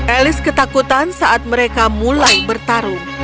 elis ketakutan saat mereka mulai bertarung